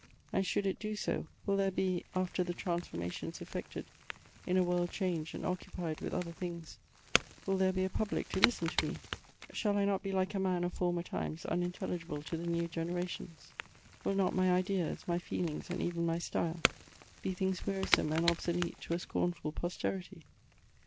And should it do so, will there be, after the transformations effected, in a world changed and occupied with other things, will there be a public to listen to me ? Shall I not be like a man of former times unintelli gible to the new generations ? Will not my ideas, my feeling^, and even my style, be things wearisome and obsolete to a scornful posterity